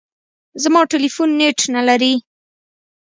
زما ټلیفون نېټ نه لري .